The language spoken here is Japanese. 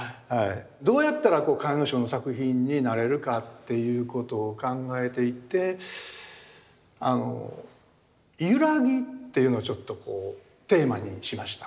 どうやったら甲斐荘の作品になれるかっていうことを考えていって「ゆらぎ」っていうのをちょっとこうテーマにしました。